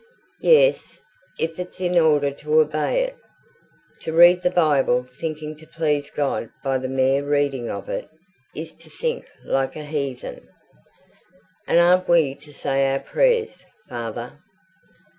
"Yes, if it's in order to obey it. To read the Bible thinking to please God by the mere reading of it, is to think like a heathen." "And aren't we to say our prayers, father?"